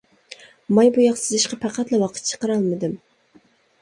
ماي بوياق سىزىشقا پەقەتلا ۋاقىت چىقىرالمىدىم.